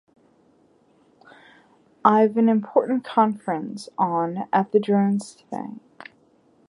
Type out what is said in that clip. I've an important conference on at the Drones tonight.